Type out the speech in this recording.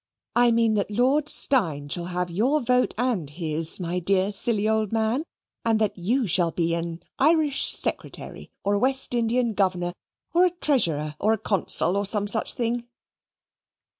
I mean that Lord Steyne shall have your vote and his, my dear, old silly man; and that you shall be an Irish Secretary, or a West Indian Governor: or a Treasurer, or a Consul, or some such thing."